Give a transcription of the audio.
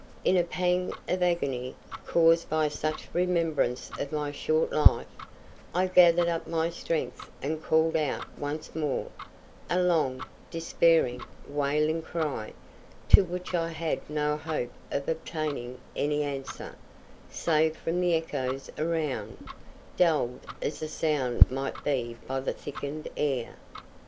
In a pang of agony, caused by such remembrance of my short life, I gathered up my strength and called out once more, a long, despairing, wailing cry, to which I had no hope of obtaining any answer, save from the echoes around, dulled as the sound might be by the thickened air.